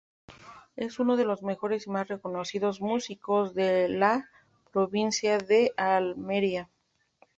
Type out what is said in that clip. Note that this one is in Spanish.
Es uno de los mejores y más reconocidos músicos de la Provincia de Almería.